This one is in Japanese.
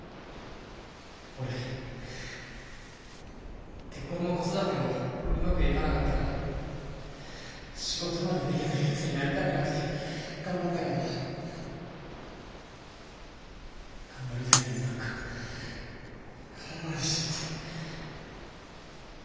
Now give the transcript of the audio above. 俺結婚も子育てもうまくいかなかったから仕事までできない奴になりたくなくて頑張ったけど頑張りたいのになんか空回りしちゃって。